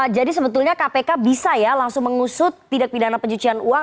jadi sebetulnya kpk bisa langsung mengusut tidak pidana pencucian uang